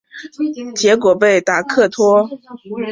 结果被达克托阻止了。